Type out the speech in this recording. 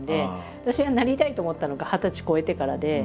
私がなりたいと思ったのが二十歳超えてからで。